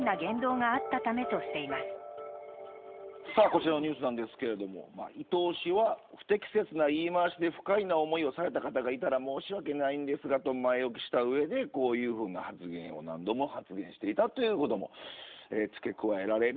こちらのニュースですが伊東氏は不適切な言い回しで不快な思いをされた方がいたら申し訳ないですがと前置きした上でこういうふうな発言を何度も発言していたということです。